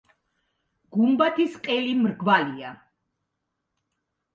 გუმბათის ყელი მრგვალია.